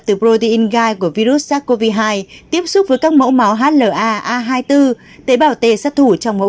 từ protein gai của virus sars cov hai tiếp xúc với các mẫu máu hla a hai mươi bốn tế bảo tê sát thủ trong mẫu